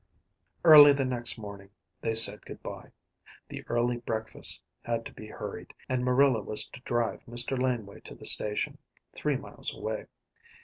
Early the next morning they said good by. The early breakfast had to be hurried, and Marilla was to drive Mr. Laneway to the station, three miles away.